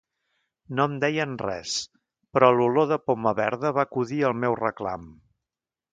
No em deien res, però l'olor de poma verda va acudir al meu reclam.